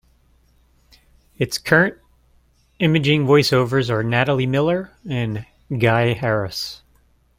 Its current imaging voiceovers are Natalie Miller and Guy Harris.